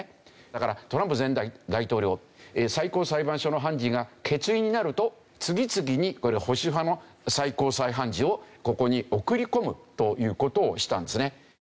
だからトランプ前大統領最高裁判所の判事が欠員になると次々に保守派の最高裁判事をここに送り込むという事をしたんですね。